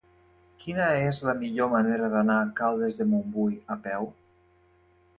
Quina és la millor manera d'anar a Caldes de Montbui a peu?